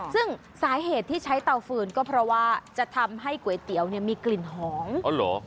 ซึ่งสาเหตุที่ใช้เตาฟื้นก็เพราะว่าจะทำให้ก๋วยเตี๋ยวมีกลิ่นหอม